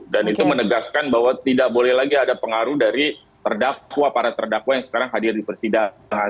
dan itu menegaskan bahwa tidak boleh lagi ada pengaruh dari terdakwa para terdakwa yang sekarang hadir di persidangan